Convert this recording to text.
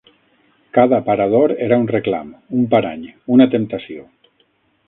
Cada aparador era un reclam, un parany, una temptació